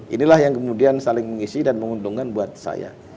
inilah yang kemudian saling mengisi dan menguntungkan buat saya